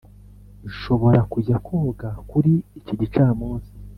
nshobora kujya koga kuri iki gicamunsi?